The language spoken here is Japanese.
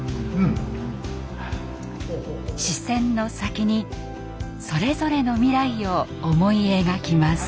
視線の先にそれぞれの未来を思い描きます。